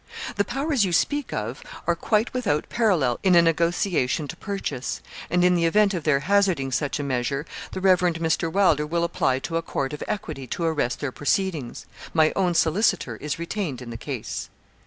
'The powers you speak of are quite without parallel in a negotiation to purchase; and in the event of their hazarding such a measure, the Rev. Mr. Wylder will apply to a court of equity to arrest their proceedings. My own solicitor is retained in the case.'